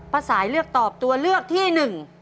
สายเลือกตอบตัวเลือกที่หนึ่ง